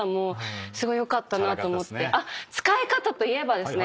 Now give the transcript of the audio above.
あっ「使い方」といえばですね